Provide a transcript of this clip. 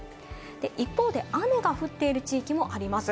一方で、雨が降っている地域もあります。